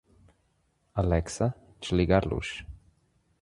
Alexa, desligar luz